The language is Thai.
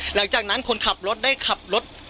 หลังจากนั้นคนขับรถได้ขับรถ